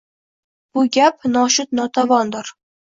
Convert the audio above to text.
Bu gap noshud-notavondir.